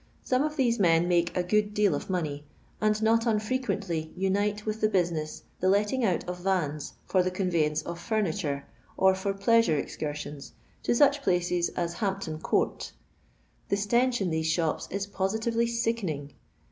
Some of these men make a good deal of money, and not unfrequently unite with the busineu the letting out of vans for the conveyance of furniture, or for pleasure excursioni, to such places as Hampton Court. The stench in these shops is positively sickening.